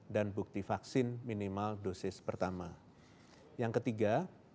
dan bukti vaksin minimal dosis pertama